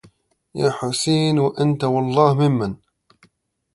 يا حسين وأنت والله ممن